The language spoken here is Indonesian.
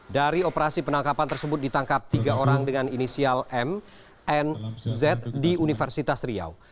dari operasi penangkapan tersebut ditangkap tiga orang dengan inisial mnz di universitas riau